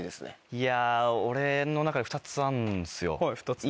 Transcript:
いや俺の中で２つあるんすよ。